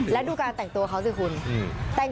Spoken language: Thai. แล้วดูการแต่งตัวเขาสิคุณ